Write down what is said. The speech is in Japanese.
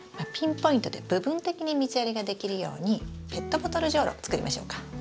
ピンポイントで部分的に水やりができるようにペットボトルじょうろ作りましょうか。